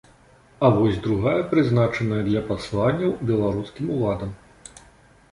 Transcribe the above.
А вось другая прызначаная для пасланняў беларускім уладам.